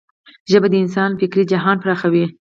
ژبه د انسان فکري جهان پراخوي.